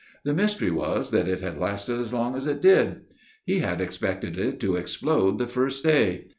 The mystery was that it had lasted as long as it did. He had expected it to explode the first day.